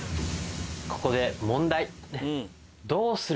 ここで問題。